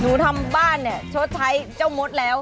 หนูทำบ้านเนี่ยชดใช้เจ้ามดแล้ว